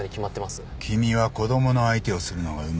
君は子供の相手をするのがうまい。